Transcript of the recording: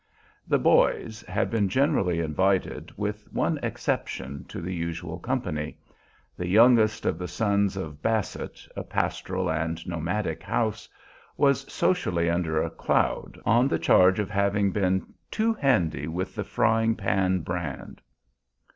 The "boys" had been generally invited, with one exception to the usual company. The youngest of the sons of Basset, a pastoral and nomadic house, was socially under a cloud, on the charge of having been "too handy with the frying pan brand."